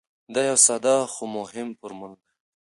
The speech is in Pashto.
دا یو ساده خو مهم فرمول دی.